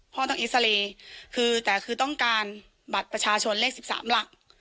ต้องเอ็กซาเรย์คือแต่คือต้องการบัตรประชาชนเลข๑๓หลัก